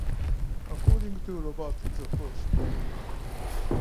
According to Robert the First.